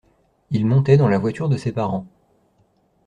Il montait dans la voiture de ses parents.